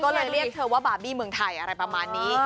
ก็เลยเรียกเธอว่าบาร์บี้เมืองไทยอะไรประมาณนี้